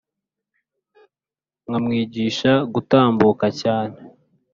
nkamwigisha gutambuka cyane